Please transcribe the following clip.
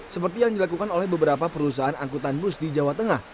seperti yang dilakukan oleh beberapa perusahaan angkutan bus di jawa tengah